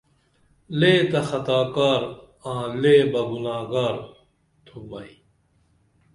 لے تہ خطا کار آں لے بہ گُناہگار تُھم ائی